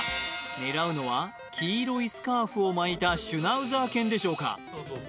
狙うのは黄色いスカーフを巻いたシュナウザー犬でしょうか？